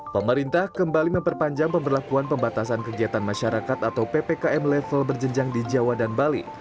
pemerintah kembali memperpanjang pemberlakuan pembatasan kegiatan masyarakat atau ppkm level berjenjang di jawa dan bali